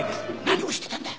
何をしてたんだ！